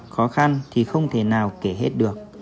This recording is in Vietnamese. khó khăn thì không thể nào kể hết được